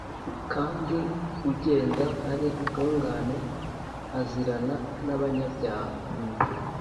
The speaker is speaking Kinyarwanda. kandi ugenda ari intungane azirana n’abanyabyaha